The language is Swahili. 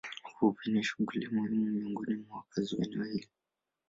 Uvuvi ni shughuli muhimu miongoni mwa wakazi wa eneo hili.